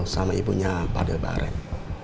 sama ibunya pak de bareng